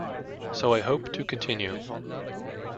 So I hope to continue.